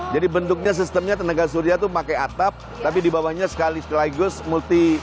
jadi bentuknya sistemnya tenaga surya itu pakai atap tapi di bawahnya sekali selaigus multi